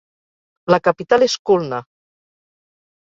La capital és Khulna.